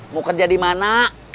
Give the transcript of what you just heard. mau kerja di mana